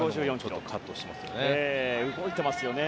ちょっとカットしていますね。